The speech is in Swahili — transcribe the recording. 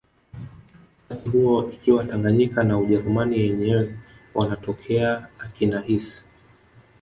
Wakati huo ikiwa Tanganyika na Ujerumani yenyewe wanakotokea akina Hiss